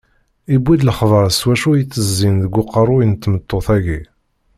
Yewwi-d lexbar s wacu i itezzin deg uqerru n tmeṭṭut-agi.